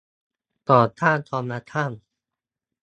ต่อต้านคอร์รัปชั่น